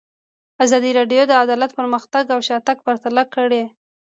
ازادي راډیو د عدالت پرمختګ او شاتګ پرتله کړی.